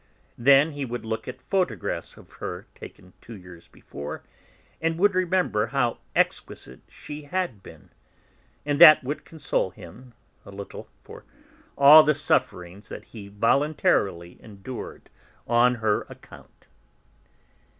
Then he would look at photographs of her, taken two years before, and would remember how exquisite she had been. And that would console him, a little, for all the sufferings that he voluntarily endured on her account.